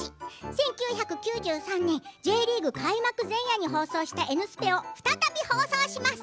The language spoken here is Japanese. １９９３年Ｊリーグ開幕前夜に放送したＮスペを再び放送します。